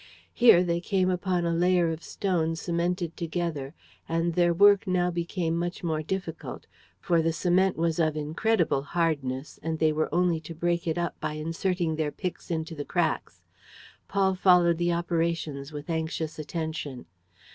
Here they came upon a layer of stones cemented together; and their work now became much more difficult, for the cement was of incredible hardness and they were only to break it up by inserting their picks into the cracks. Paul followed the operations with anxious attention.